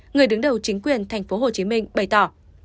người đứng đầu chính quyền thành phố hồ chí minh bày tỏ